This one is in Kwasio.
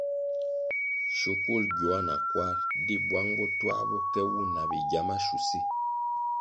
Shukul gyoa na kwar di bwang bo twā bo ke wu na bigya mashusi.